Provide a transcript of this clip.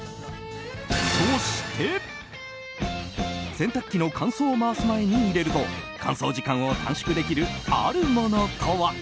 そして、洗濯機の乾燥を回す前に入れると乾燥時間を短縮できるあるものとは？